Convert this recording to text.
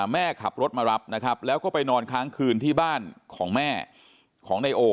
แม่ขับรถมารับนะครับแล้วก็ไปนอนค้างคืนที่บ้านของแม่ของนายโอ